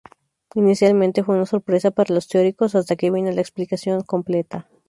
Inicialmente, fue una sorpresa para los teóricos, hasta que vino la explicación completa.